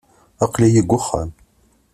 Aql-iyi deg uxxam.